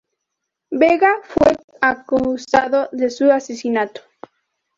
Vega fue acusado de su asesinato.